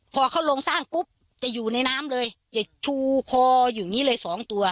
พอเขาลงสร้างปุ๊บจะอยู่ในน้ำเลยจะชูคออยู่อย่างนี้เลยสองตัว